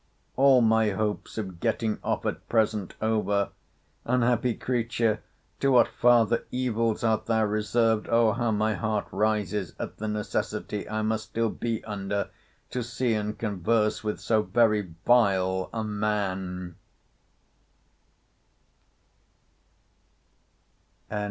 'All my hopes of getting off at present over!—Unhappy creature! to what farther evils art thou reserved! Oh! how my heart rises at the necessity I must still be under to see and converse with so very vile a man!